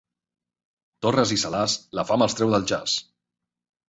Torres i Salàs, la fam els treu del jaç.